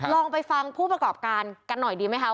ลองไปฟังผู้ประกอบการกันหน่อยดีไหมคะ